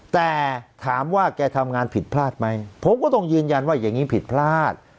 แต่ถามว่าแกทำงานผิดพลาดไหมผมก็ต้องยืนยันว่าอย่างนี้ผิดพลาด